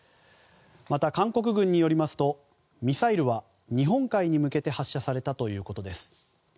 また、韓国軍によりますとミサイルは日本海に向けて発射されたということです。